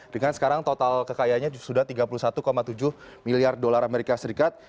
dengan sekarang total kekayaannya sudah tiga puluh satu tujuh miliar dolar amerika serikat